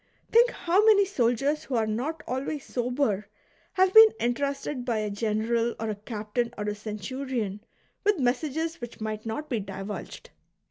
Think how many soldiers who are not always sober have been entrusted by a general or a captain or a centurion with messages which might not be divulged